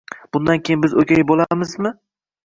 Bundan keyin biz o'gay bo'lamizmi?